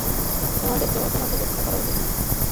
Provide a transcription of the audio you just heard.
তাদের তো তোমাদের রক্ষা করা উচিত, না?